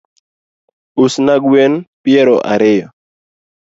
Usna gwen peiro ariyo